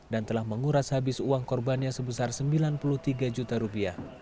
dan telah menguras habis uang korbannya sebesar rp sembilan puluh tiga juta